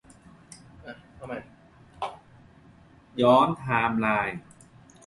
ย้อนไทม์ไลน์